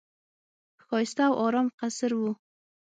ښایسته او آرام قصر وو.